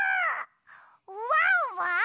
ワンワン！